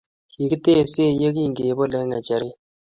kikitebse ye kingebol eng ngecheret